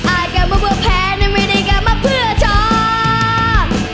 อาจกลับมาเพื่อแพ้ไม่ได้กลับมาเพื่อชอบ